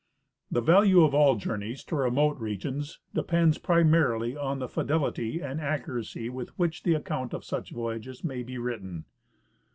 The value of all journeys to remote regions depends primarily on the fidel ity and accuracy with which the account of such voyages may be written.